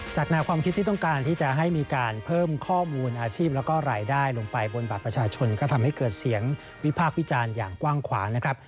แนวความคิดที่ต้องการที่จะให้มีการเพิ่มข้อมูลอาชีพแล้วก็รายได้ลงไปบนบัตรประชาชนก็ทำให้เกิดเสียงวิพากษ์วิจารณ์อย่างกว้างขวางนะครับ